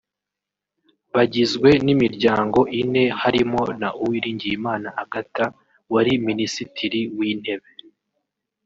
bagizwe n’imiryango ine harimo na Uwiringiyimana Agathe wari Minisitiri w’Intebe